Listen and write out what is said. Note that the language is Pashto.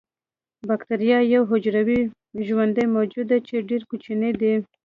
باکتریا یو حجروي ژوندی موجود دی چې ډیر کوچنی دی